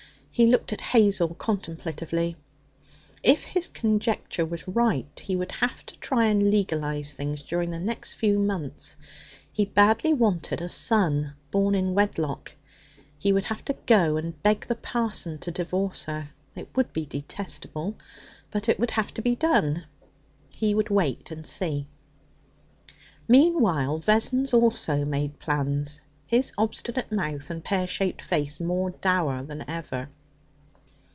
He looked at Hazel contemplatively. If his conjecture was right, he would have to try and legalize things during the next few months. He badly wanted a son born in wedlock. He would have to go and beg the parson to divorce her. It would be detestable, but it would have to be done. He would wait and see. Meanwhile, Vessons also made plans, his obstinate mouth and pear shaped face more dour than ever.